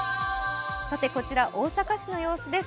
こちら、大阪市の様子です